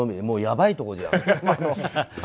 もう、やばいところじゃん。